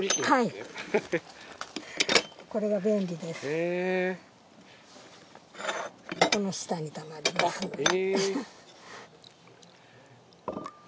はい。